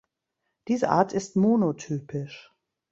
Diese Art ist monotypisch.